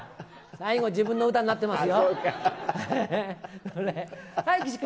最後、自分の歌になってる、そうか。